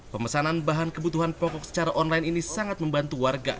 pemesanan bahan kebutuhan pokok secara online ini sangat membantu warga